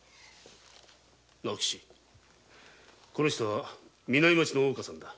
直吉こちら南町の大岡さんだ。